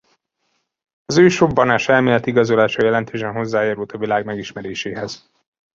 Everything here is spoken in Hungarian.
Az ősrobbanás-elmélet igazolása jelentősen hozzájárult a világ megismeréséhez.